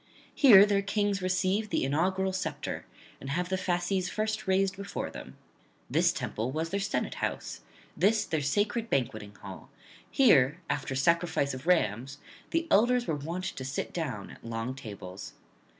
Here their kings receive the inaugural sceptre, and have the fasces first raised before them; this temple was their senate house; this their sacred banqueting hall; here, after sacrifice of rams, the elders were wont to sit down at long tables.